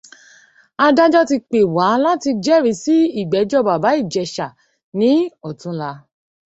Adájọ́ ti pè wá láti jẹ́rìí sí ìgbẹ́jọ́ Bàbá Ìjẹ̀shà ní ọ̀túnla.